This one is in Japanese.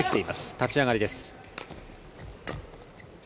立ち上がりです。